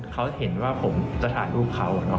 เขาเห็นว่าผมจะถ่ายรูปเขา